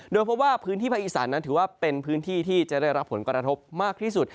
โดยพบว่าพื้นที่ภาคอีสานนั้นถือว่าเป็นพื้นที่ที่จะได้รับผลกระทบมากที่สุด